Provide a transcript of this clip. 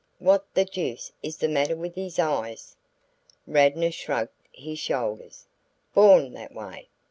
"What the deuce is the matter with his eyes?" Radnor shrugged his shoulders. "Born that way.